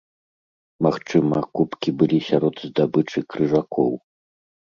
Магчыма, кубкі былі сярод здабычы крыжакоў.